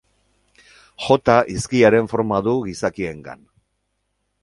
Jota hizkiaren forma du gizakiengan.